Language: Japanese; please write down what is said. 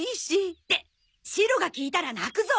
ってシロが聞いたら泣くぞ！